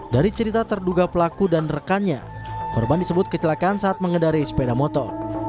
dari cerita terduga pelaku dan rekannya korban disebut kecelakaan saat mengendarai sepeda motor